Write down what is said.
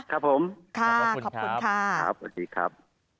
ครับผมขอบคุณครับสวัสดีครับค่ะขอบคุณครับ